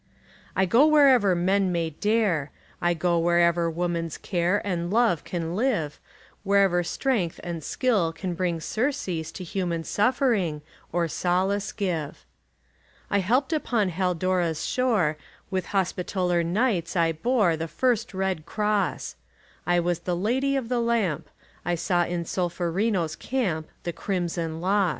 I go wherever men may dare, I go wherever woman's care And love can live, Wherever strength and skill can bring Surcease to human suffering, Or solace give. I helped upon Haldora's shore; With Hospitaller Knights I bore The first red cross; I was the Lady of the Lamp; I saw in Solferino's camp The crimson loss.